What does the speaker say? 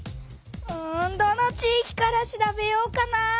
うんどの地いきから調べようかな？